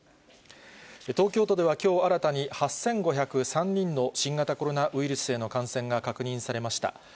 東京都ではきょう新たに、８５０３人の新型コロナウイルスへの感染が確認されました。